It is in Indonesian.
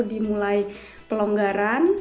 jadi sampai tanggal dua april berarti